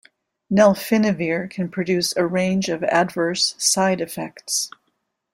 Nelfinavir can produce a range of adverse side effects.